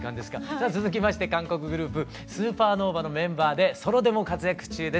さあ続きまして韓国グループＳＵＰＥＲＮＯＶＡのメンバーでソロでも活躍中です。